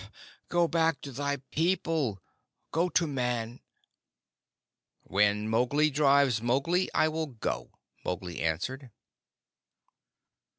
Go back to thy people. Go to Man." "When Mowgli drives Mowgli I will go," Mowgli answered.